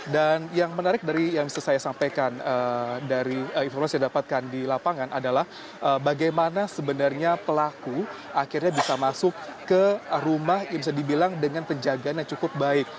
dan yang menarik dari yang bisa saya sampaikan dari informasi yang saya dapatkan di lapangan adalah bagaimana sebenarnya pelaku akhirnya bisa masuk ke rumah yang bisa dibilang dengan penjagaan yang cukup baik